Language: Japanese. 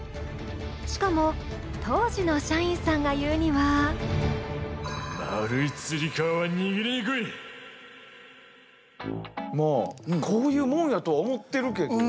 しかも当時の社員さんが言うにはまあこういうもんやと思ってるけど。